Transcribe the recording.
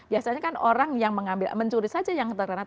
biasanya kan orang yang mengambil mencuri saja yang terkena